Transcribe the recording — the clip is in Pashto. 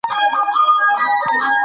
ریښې یې خاوره ټینګه ساتي.